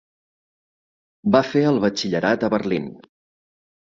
Va fer el batxillerat a Berlín.